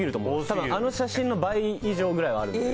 たぶんあの写真の倍以上ぐらいはあるので。